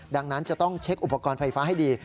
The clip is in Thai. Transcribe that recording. ดังนั้นจะต้องเช็คอุปกรณ์ไฟฟ้าให้ดี